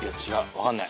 分かんない。